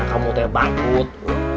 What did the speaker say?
kamu ternyata bangkut